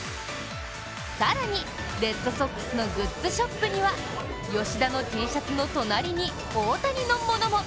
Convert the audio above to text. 更にレッドソックスのグッズショップには吉田のＴシャツの隣に大谷のものも。